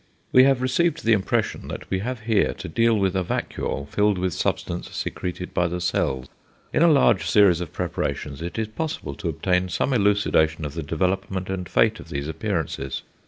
We have received the impression that we have here to deal with a vacuole filled with substance secreted by the cell. In a large series of preparations, it is possible to obtain some elucidation of the development and fate of these appearances.